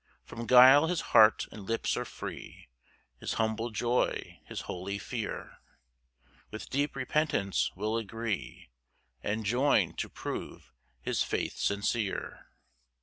3 From guile his heart and lips are free, His humble joy, his holy fear, With deep repentance well agree, And join to prove his faith sincere.